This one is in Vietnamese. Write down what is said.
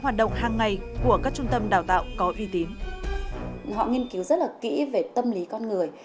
hoạt động hàng ngày của các trung tâm đào tạo có uy tín họ nghiên cứu rất là kỹ về tâm lý con người